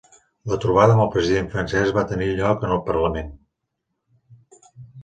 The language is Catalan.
La trobada amb el president francès va tenir lloc en el Parlament.